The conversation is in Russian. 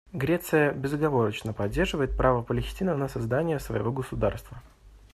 Греция безоговорочно поддерживает право Палестины на создание своего государства.